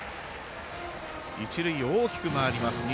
一塁、大きく回ります、西。